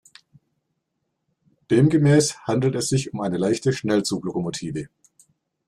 Demgemäß handelt es sich um eine leichte Schnellzuglokomotive.